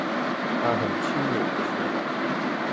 他很轻柔地说话。